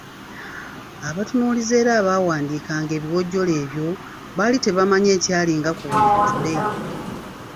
Abatunuulizi era abawandiikanga ebiwojjolo ebyo, baali tebamanyi ekyalinga ku buli ttule.